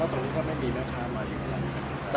แล้วตอนนี้ก็ไม่มีไม้ค้ามาจริงเลยครับ